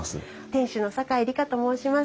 店主の酒井里香と申します。